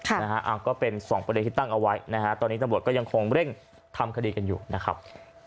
นะฮะก็เป็นสองประเด็นที่ตั้งเอาไว้นะฮะตอนนี้ตำรวจก็ยังคงเร่งทำคดีกันอยู่นะครับ